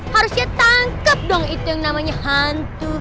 harusnya tangkep dong itu yang namanya hantu